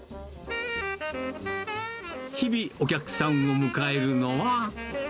日々、お客さんを迎えるのは。